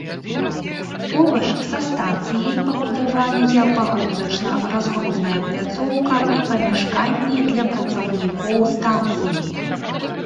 Побач са станцыяй пабудаваныя пагрузачна-разгрузная пляцоўка і памяшканні для працаўнікоў станцыі.